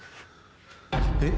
えっ？